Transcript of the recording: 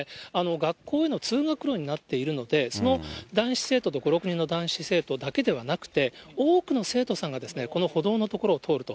学校への通学路になっているので、その男子生徒と５、６人の男子生徒だけではなくて、多くの生徒さんが、この歩道の所を通ると。